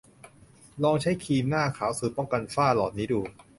ลองใช้ครีมหน้าขาวสูตรป้องกันฝ้าหลอดนี้ดู